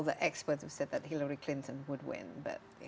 tapi kita mencoba melalui semua polisi kita